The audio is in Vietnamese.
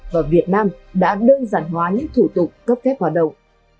và việt nam đã đơn giản hóa những thủ tục cấp phép hoạt động